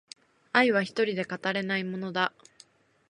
愛は一人では語れないものだ